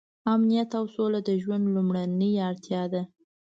امنیت او سوله د ژوند لومړنۍ اړتیا ده.